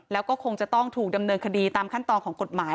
แล้วก็คงจะต้องถูกดำเนินคดีตามขั้นตอนของกฎหมาย